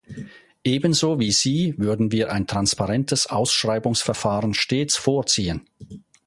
Ebenso wie sie würden wir ein transparentes Ausschreibungsverfahren stets vorziehen.